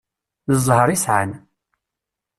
D ẓẓher i sεan.